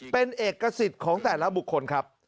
เป็นเอกสิทธิ์ของแต่ละบุคคลครับ